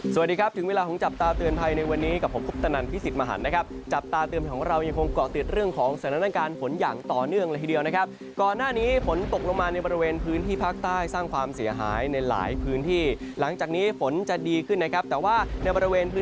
สวัสดีครับถึงเวลาของจับตาเตือนภัยในวันนี้กับผมคุปตนันพิสิทธิ์มหันนะครับจับตาเตือนของเรายังคงเกาะติดเรื่องของสถานการณ์ฝนอย่างต่อเนื่องเลยทีเดียวนะครับก่อนหน้านี้ฝนตกลงมาในบริเวณพื้นที่ภาคใต้สร้างความเสียหายในหลายพื้นที่หลังจากนี้ฝนจะดีขึ้นนะครับแต่ว่าในบริเวณพื